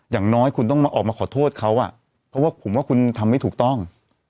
อย่างน้อยคุณต้องมาออกมาขอโทษเขาเพราะว่าผมว่าคุณทำไม่ถูกต้อง